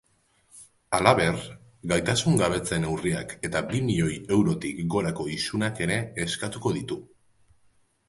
Halaber, gaitasungabetze neurriak eta bi milioi eurotik gorako isunak ere eskatuko ditu.